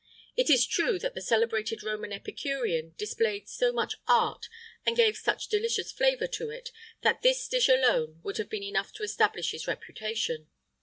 [IX 86] It is true that the celebrated Roman epicurean displayed so much art, and gave such delicious flavour to it, that this dish alone would have been enough to establish his reputation.